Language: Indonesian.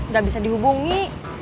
gak bisa dihubungi